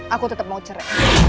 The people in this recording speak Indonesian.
aku tetep mau cerai